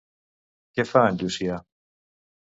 Què fa en Llucià?